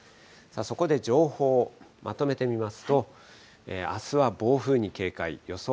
そこで情報をまとめてみますと、あすは暴風に警戒、予想